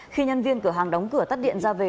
khi nhân viên cửa hàng đóng cửa tắt điện ra về